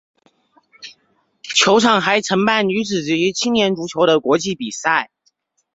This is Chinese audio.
球场还承办女子及青年足球的国际比赛。